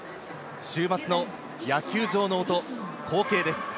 週末の野球場の音、光景です。